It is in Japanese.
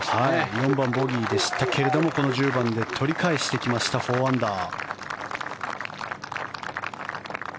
４番、ボギーでしたがこの１０番で取り返してきました４アンダー。